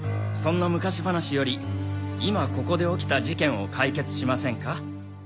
そんな昔話より今ここで起きた事件を解決しませんか？